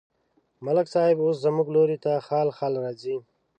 ملک صاحب اوس زموږ لوري ته خال خال راځي.